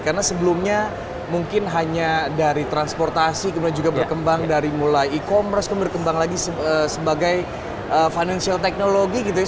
karena sebelumnya mungkin hanya dari transportasi kemudian juga berkembang dari mulai e commerce kemudian berkembang lagi sebagai financial technology gitu ya